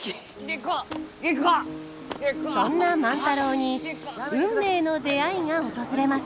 そんな万太郎に運命の出会いが訪れます。